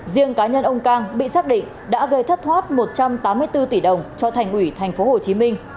riêng cá nhân ông cang bị xác định đã gây thất thoát một trăm tám mươi bốn tỷ đồng cho thành ủy tp hcm